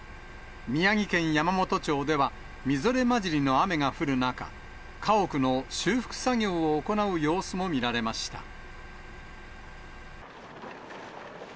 宮城県山元町では、みぞれ交じりの雨が降る中、家屋の修復作業を行う様子も見られました。